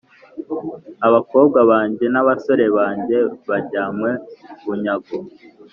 abakobwa banjye n’abasore banjye bajyanywe bunyago.